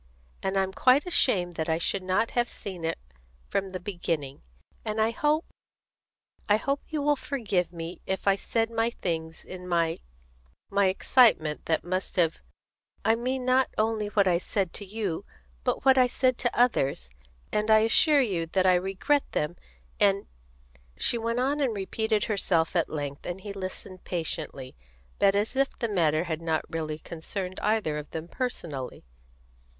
And I'm quite ashamed that I should not have seen it from the beginning; and I hope I hope you will forgive me if I said things in my my excitement that must have I mean not only what I said to you, but what I said to others; and I assure you that I regret them, and " She went on and repeated herself at length, and he listened patiently, but as if the matter had not really concerned either of them personally.